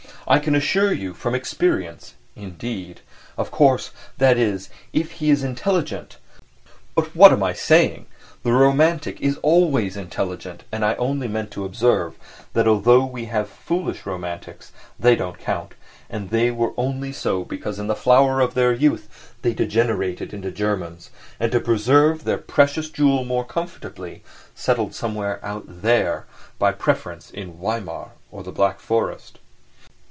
I can assure you from experience, indeed. Of course, that is, if he is intelligent. But what am I saying! The romantic is always intelligent, and I only meant to observe that although we have had foolish romantics they don't count, and they were only so because in the flower of their youth they degenerated into Germans, and to preserve their precious jewel more comfortably, settled somewhere out there—by preference in Weimar or the Black Forest.